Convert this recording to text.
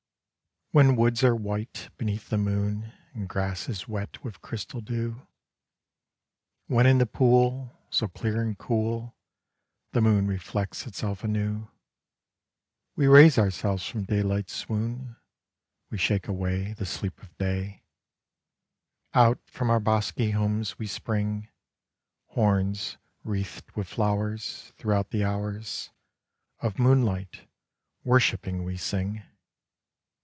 WHEN woods are white beneath the moon And grass is wet with crystal dew, When in the pool So clear and cool The moon reflects itself anew, We raise ourselves from daylight 's swoon We shake away The sleep of day, Out from our bosky homes we spring, Horns wreathed with flowers Throughout the hours Of moonlight, worshipping we sing.